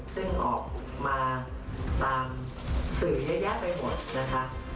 ซึ่งออกมาตามสื่อเยอะแยะไปหมดนะคะ